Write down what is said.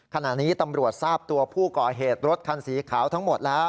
ขณะนี้ตำรวจทราบตัวผู้ก่อเหตุรถคันสีขาวทั้งหมดแล้ว